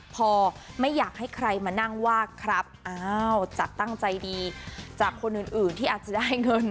พอไม่อยากให้ใครมานั่งว่าครับอ้าวจากตั้งใจดีจากคนอื่นอื่นที่อาจจะได้เงิน